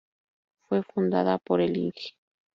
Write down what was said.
Fue fundada por el Ing.